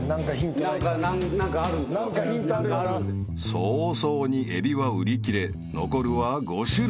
［早々にエビは売り切れ残るは５種類］